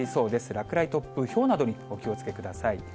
落雷、突風、ひょうなどにお気をつけください。